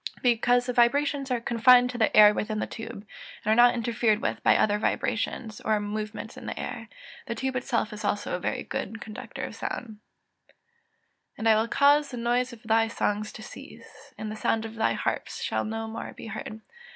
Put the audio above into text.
_ Because the vibrations are confined to the air within the tube, and are not interfered with by other vibrations or movements in the air; the tube itself is also a good conductor of sound. [Verse: "And I will cause the noise of thy songs to cease; and the sound of thy harps shall no more be heard."